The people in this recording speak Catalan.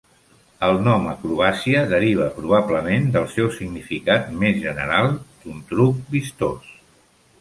El nom "acrobàcia" deriva probablement del seu significat més general d'un truc vistós.